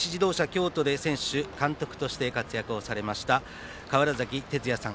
京都で選手、監督として活躍されました川原崎哲也さん。